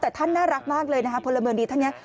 แต่ท่านน่ารักมากเลยนะคะพลเมืองดีท่านนี้